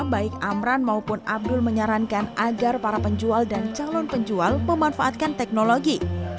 baik amran maupun abdul menyarankan agar para penjual dan calon penjual memanfaatkan teknologi